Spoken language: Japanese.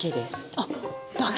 あっ！だけ。